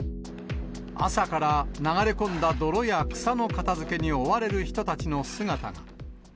朝から、流れ込んだ泥や草の片づけに追われる人たちの姿が。